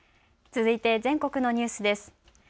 続いて全国のニュースです。